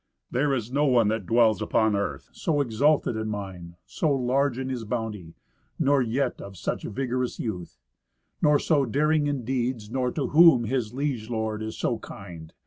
There is no one that dwells upon earth, so exalted in mind, So large in his bounty, nor yet of such vigorous youth. Nor so daring in deeds, nor to whom his liege lord is so kind.